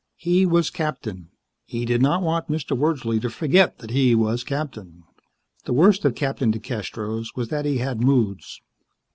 He was captain. He did not want Mr. Wordsley to forget that he was captain. The worst of Captain DeCastros was that he had moods.